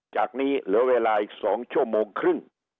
จากนี้เหลือเวลาอีก๒ชั่วโมงครึ่ง